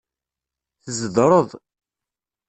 Tzedreḍ.